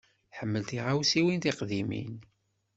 Tḥemmel tiɣawsiwin tiqdimin.